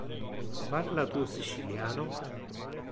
Parla tu siciliano?